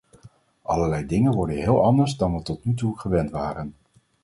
Allerlei dingen worden heel anders dan we tot nu toe gewend waren.